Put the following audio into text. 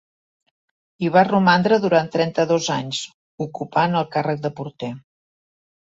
Hi va romandre durant trenta-dos anys, ocupant el càrrec de porter.